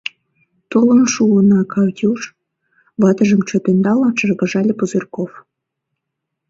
— Толын шуынна, Катюш, — ватыжым чот ӧндалын, шыргыжале Пузырьков.